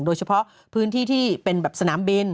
โดยเฉพาะพื้นที่ที่เป็นแบบสนามบิน